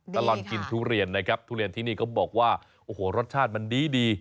ตลอดกินทุเรียนนะครับทุเรียนที่นี่เขาบอกว่าโอ้โหรสชาติมันดี